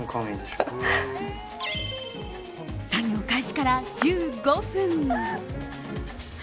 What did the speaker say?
作業開始から１５分。